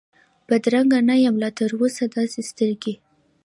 بدرنګه نه یم لا تراوسه داسي سترګې،